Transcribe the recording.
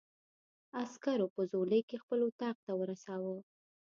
عسکرو په ځولۍ کې خپل اتاق ته ورساوه.